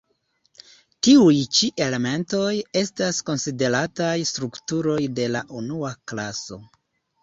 Tiuj ĉi elementoj estas konsiderataj strukturoj de la unua klaso.